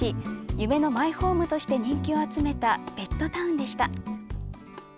夢のマイホームとして人気を集めたベッドタウンでした。